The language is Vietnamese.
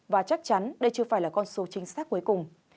và chắc chắn đây chưa phải là con số chính xác cuối cùng